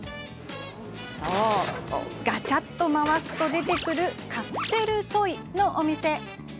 そう、ガチャっと回すと出てくるカプセルトイのお店。